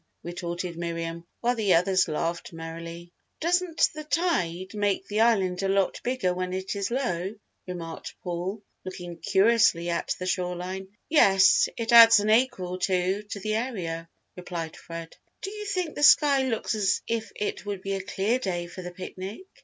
retorted Miriam, while the others laughed merrily. "Doesn't the tide make the island a lot bigger when it is low?" remarked Paul, looking curiously at the shore line. "Yes, it adds an acre or two to the area," replied Fred. "Do you think the sky looks as if it would be a clear day for the picnic?"